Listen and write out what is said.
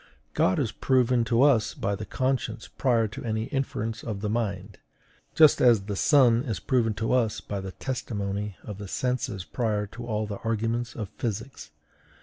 God is proven to us by the conscience prior to any inference of the mind; just as the sun is proven to us by the testimony of the senses prior to all the arguments of physics.